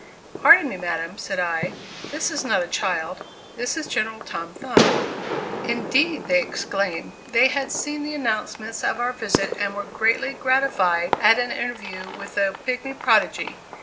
"Pardon me, madam," said I, "this is not a child. This is General Tom Thumb." "Indeed!" they exclaimed. They had seen the announcements of our visit and were greatly gratified at an interview with the pigmy prodigy.